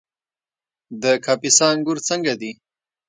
د کاپیسا انګور څنګه دي؟